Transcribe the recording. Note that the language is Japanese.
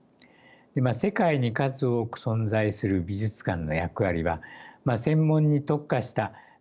今世界に数多く存在する美術館の役割は専門に特化した美術館